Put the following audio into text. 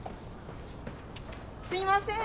すみません！